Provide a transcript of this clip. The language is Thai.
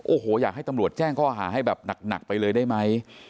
โอ้โหอยากให้ตำรวจแจ้งข้อหาให้แบบหนักไปเลยได้ไหม